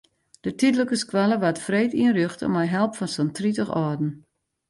De tydlike skoalle waard freed ynrjochte mei help fan sa'n tritich âlden.